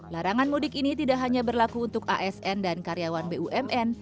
larangan mudik ini tidak hanya berlaku untuk asn dan karyawan bumn